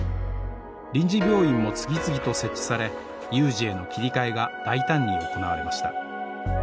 臨時病院も次々と設置され有事への切り替えが大胆に行われました。